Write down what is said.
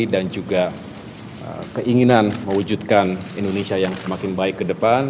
dan juga keinginan mewujudkan indonesia yang semakin baik ke depan